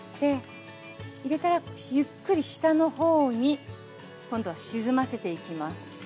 入れたらゆっくり下のほうに今度は沈ませていきます。